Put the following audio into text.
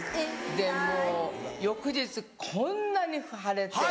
もう翌日こんなに腫れて。